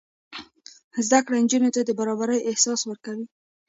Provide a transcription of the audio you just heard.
زده کړه نجونو ته د برابرۍ احساس ورکوي.